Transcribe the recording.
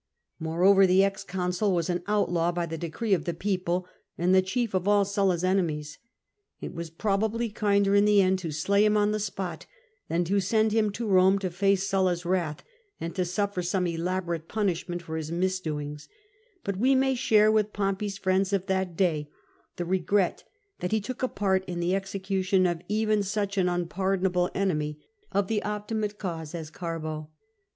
Moreover the ex consul was an outlaw by the decree of the people, and the chief of all Sulla's enemies. It was probably kinder in the end to slay him on the spot, than to send him to Pome to face Sulla's wrath and to suffer some elaborate punishment for his misdoings ; but we may share with Pompey's friends of that day the regret that he took a part in the execution of even such an unpardonable enemy of the Optimate cause as Garbo.